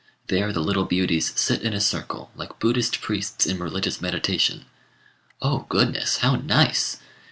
There the little beauties sit in a circle, like Buddhist priests in religious meditation! "Oh, goodness! how nice!"